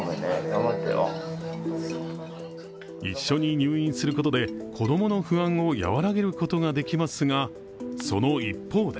一緒に入院することで子供の不安を和らげることができますが、その一方で